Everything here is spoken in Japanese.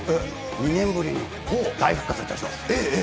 ２年ぶりに大復活いたします。